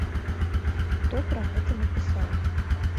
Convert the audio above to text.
Хто пра гэта напісаў?